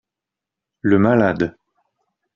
Le malade.